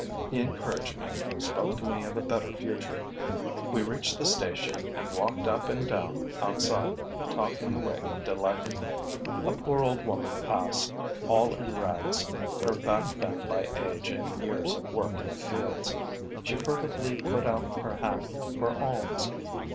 He encouraged me, spoke to me of a better future. We reached the station and walked up and down outside, talking away delightfully. A poor old woman passed, all in rags, her back bent by age and years of work in the fields. She furtively put out her hand for alms.